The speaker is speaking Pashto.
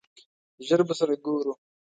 ژر به سره ګورو !